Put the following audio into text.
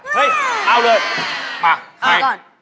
เฮ้ยเอาเลยมาเอาก่อน